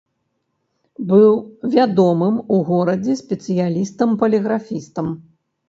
Быў вядомым у горадзе спецыялістам-паліграфістам.